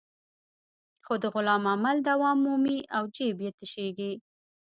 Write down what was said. خو د غلا عمل دوام مومي او جېب یې تشېږي.